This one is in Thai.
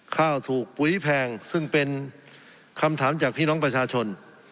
ถูกปุ๋ยแพงซึ่งเป็นคำถามจากพี่น้องประชาชน